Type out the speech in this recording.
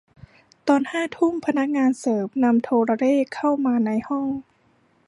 ตอนห้าทุ่มพนักงานเสิร์ฟนำโทรเลขเข้ามาในห้อง